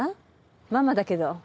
ママだけど。